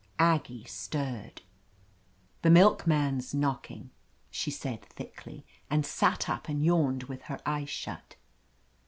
Aggie stirred. "The milkman's knocking," she said thickly, and sat up and yawned with her eyes shut.